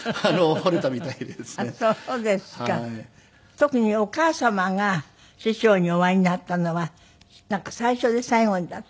特にお母様が師匠にお会いになったのはなんか最初で最後だった。